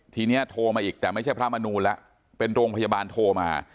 ทีนี้โทรมาอีกแต่ไม่ใช่พระมนูลแล้วเป็นโรงพยาบาลโทรมา